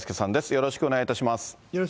よろしくお願いします。